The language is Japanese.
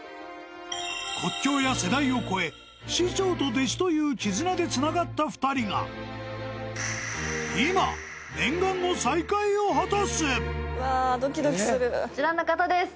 国境や世代をこえ師匠と弟子という絆でつながった２人が今念願の再会を果たすこちらの方です